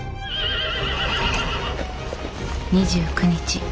２９日。